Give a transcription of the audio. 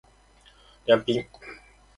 りゃんぴん